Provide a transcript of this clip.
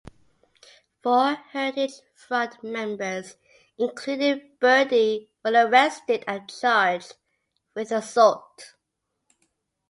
Four Heritage Front members, including Burdi, were arrested and charged with assault.